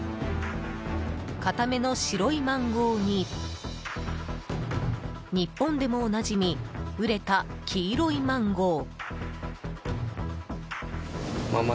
硬めの白いマンゴーに日本でもおなじみ熟れた黄色いマンゴー。